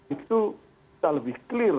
itu bisa lebih clear